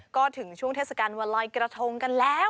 ก็ถึงช่วงเทศกาลวันลอยกระทงกันแล้ว